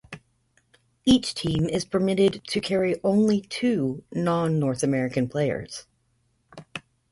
Each team is permitted to carry only two non-North American players.